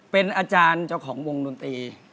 เป็นอาจารย์เจ้าของวงดนตรี